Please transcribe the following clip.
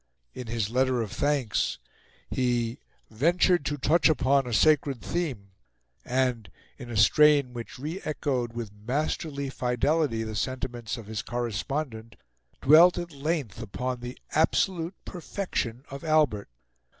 In his letter of thanks he "ventured to touch upon a sacred theme," and, in a strain which re echoed with masterly fidelity the sentiments of his correspondent, dwelt at length upon the absolute perfection of Albert.